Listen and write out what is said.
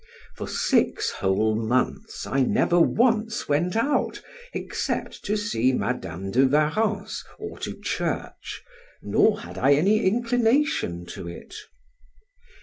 For six whole months I never once went out except to see Madam de Warrens, or to church, nor had I any inclination to it.